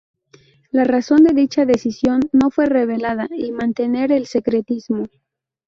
La razón de dicha decisión no fue revelada, y mantener el secretismo.